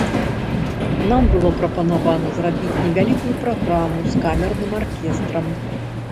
Нам было прапанавана зрабіць невялікую праграму з камерным аркестрам.